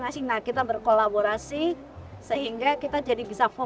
kemudian dengan kementrian perindustrian untuk mengembangkan kemasan yang sesuai standar